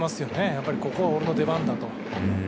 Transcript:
やはり、ここは俺の出番だと。